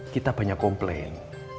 kita banyak komplain